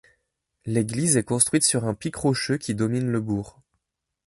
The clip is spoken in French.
L'église est construite sur un pic rocheux qui domine le bourg.